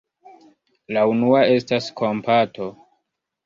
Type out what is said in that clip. La unua estas kompato.